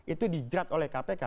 itu dijerat oleh kpk